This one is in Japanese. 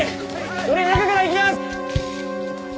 俺は中から行きます！